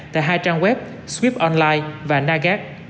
tại hai trang web sweeponline và nagat